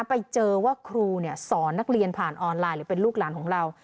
ไปเจอว่าครูสอนนักเรียนผ่านออนไลน์หรือเป็นลูกหลานของเรา